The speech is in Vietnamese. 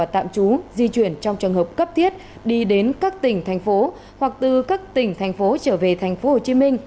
tạm trú di chuyển trong trường hợp cấp thiết đi đến các tỉnh thành phố hoặc từ các tỉnh thành phố trở về tp hcm